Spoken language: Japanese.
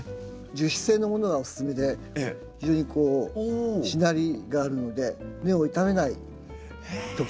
樹脂製のものがおすすめで非常にこうしなりがあるので根を傷めない特徴があります。